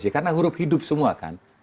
karena huruf hidup semua kan